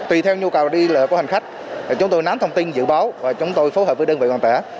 tùy theo nhu cầu đi lỡ của hành khách chúng tôi nắm thông tin dự báo và chúng tôi phù hợp với đơn vị hoàn tả